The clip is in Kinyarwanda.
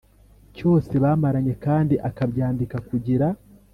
Cyose bamaranye kandi akabyandika kugira